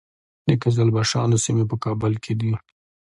د قزلباشانو سیمې په کابل کې دي